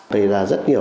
vậy là rất nhiều